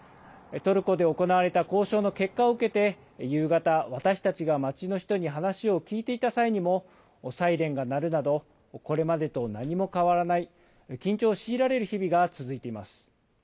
トルコで行われた交渉の結果を受けて、夕方、私たちが街の人に話を聞いていた際にも、サイレンが鳴るなど、これまでと何も変わらない、緊張を強いられる日々が続いています。